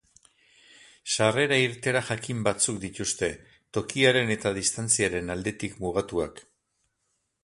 Sarrera-irteera jakin batzuk dituzte, tokiaren eta distantziaren aldetik mugatuak.